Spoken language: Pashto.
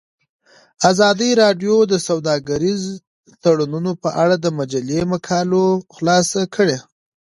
ازادي راډیو د سوداګریز تړونونه په اړه د مجلو مقالو خلاصه کړې.